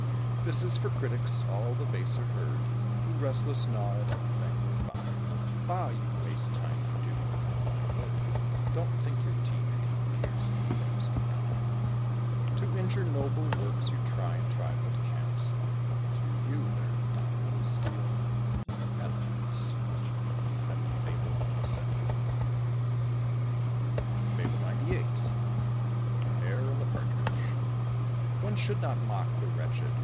This is for critics all the baser herd. Who, restless, gnaw at everything they find. Bah! you waste time, you do, upon my word; Don't think your teeth can pierce the thinnest rind: To injure noble works you try, and try, but can't, To you they're diamond, steel, and adamant. FABLE XCVIII. THE HARE THE PARTRIDGE. One should not mock the wretched.